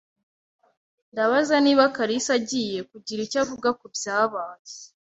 Ndabaza niba kalisa agiye kugira icyo avuga kubyabaye.